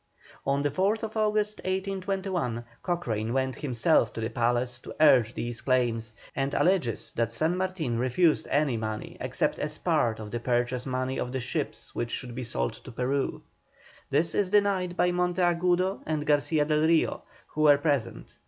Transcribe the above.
On the 4th August, 1821, Cochrane went himself to the palace to urge these claims, and alleges that San Martin refused any money except as part of the purchase money of the ships which should be sold to Peru. This is denied by Monteagudo and Garcia del Rio, who were present.